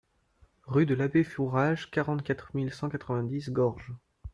Rue de l'Abbé Fourage, quarante-quatre mille cent quatre-vingt-dix Gorges